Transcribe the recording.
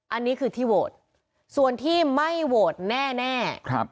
อันนี้คือที่โหวตส่วนที่ไม่โหวตแน่